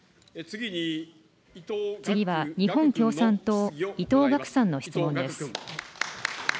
次は日本共産党、伊藤岳さんの質問です。